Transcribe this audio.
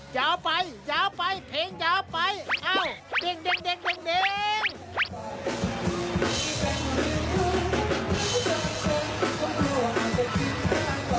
จะไปติดเลยทิ้งจะไปอ้าวเด้งเด้งเด้งเด้ง